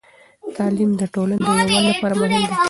تعليم د ټولنې د يووالي لپاره مهم دی.